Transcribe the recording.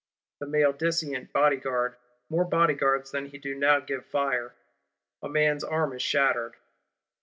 The maledicent Bodyguard, more Bodyguards than he do now give fire; a man's arm is shattered.